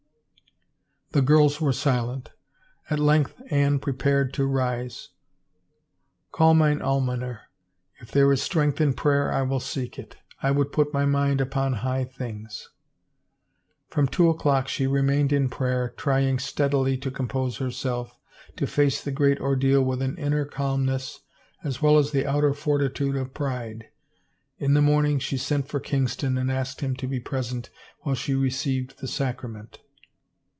The girls were silent. At length Anne prepared to rise. " Call mine almoner. K there is strength in prayer I will seek it. I would put my mind upon high things." From two o'clock she remained in prayer, trying stead ily to compose herself, to face the great ordeal with an inner calmness as well as the outer fortitude of pride. In the morning she sent for Kingston and asked him to be present while she received the sacrament.